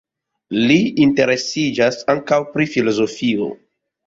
Li interesiĝas ankaŭ pri filozofio.